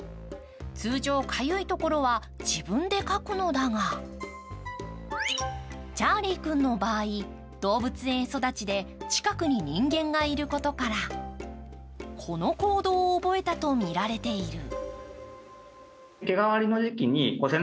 通常、かゆい所は自分でかくのだがチャーリー君の場合動物園育ちで近くに人間がいることから、この行動を覚えたとみられている。